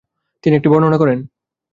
তিনি এটি বর্ণনা করেন।